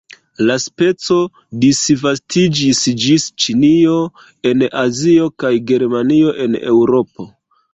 La speco disvastiĝis ĝis Ĉinio en Azio kaj Germanio en Eŭropo.